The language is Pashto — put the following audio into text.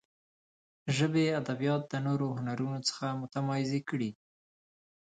ژبې ادبیات د نورو هنرونو څخه متمایزه کړي دي.